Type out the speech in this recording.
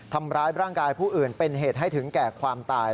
ทำร้ายร่างกายผู้อื่นเป็นเหตุให้ถึงแก่ความตาย